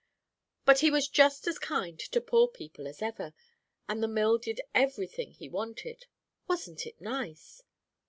But he was just as kind to poor people as ever, and the mill did every thing he wanted. Wasn't it nice?"